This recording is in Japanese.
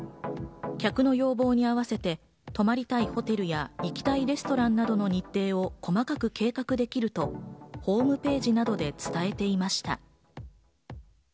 客の要望に合わせて泊まりたいホテルや行きたいレストランなどの日程を細かく計画できるとホームページなどで伝えていました。